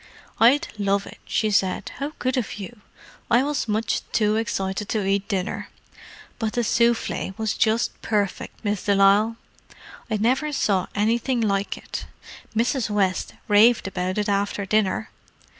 "I'd love it," she said. "How good of you. I was much too excited to eat dinner. But the souffle was just perfect, Miss de Lisle. I never saw anything like it. Mrs. West raved about it after dinner."